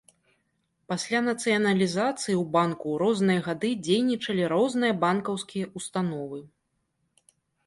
Пасля нацыяналізацыі ў банку ў розныя гады дзейнічалі розныя банкаўскія ўстановы.